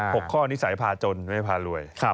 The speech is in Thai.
หกข้อนิสัยภาจนไม่ใช่ภารวย